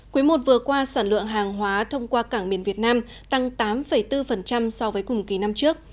quý i vừa qua sản lượng hàng hóa thông qua cảng miền việt nam tăng tám bốn so với cùng kỳ năm trước